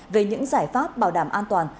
về những giải pháp bảo đảm an toàn